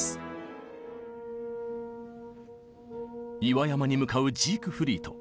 岩山に向かうジークフリート。